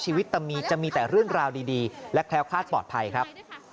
ชีวิตตามีจะมีแต่รื่นราวดีและแคล้วคลาดปลอดภัยครับ